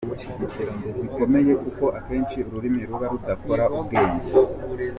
zikomeye kuko akenshi ururimi ruba rudakora, ubwenge